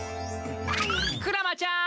クラマちゃん！